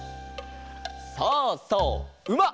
そうそううま！